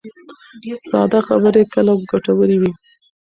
ساده خبرې کله ګټورې وي.